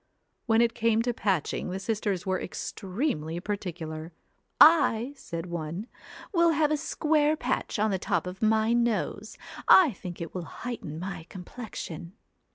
When it came to patching, the sisters were extremely particular. ' I,' said one, ' will have a square patch on the top of my nose. I think it will heighten my complexion.'